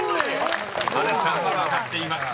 ［波瑠さんは分かっていました］